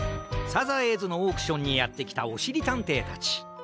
サザエーズのオークションにやってきたおしりたんていたち。